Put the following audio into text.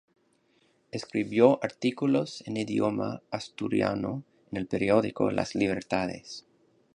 Escribió artículos en idioma asturiano en el periódico "Las Libertades".